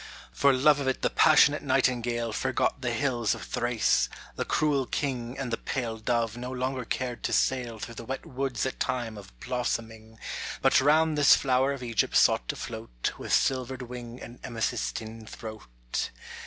For love of it the passionate nightingale Forgot the hills of Thrace, the cruel king, And the pale dove no longer cared to sail Through the wet woods at time of blossoming, But round this flower of Egypt sought to float, With silvered wing and amethystine throat.